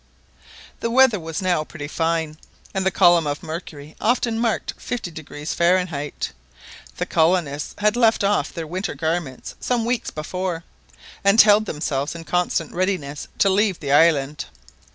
The weather was now pretty fine, and the column of mercury often marked 50° Fahrenheit. The colonists had left off their winter garments some weeks before, and held themselves in constant readiness to leave the island.